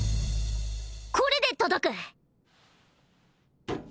これで届く！